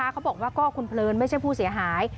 เขาบอกว่าก็คุณเพลินไม่ใช่ผู้เสียหาย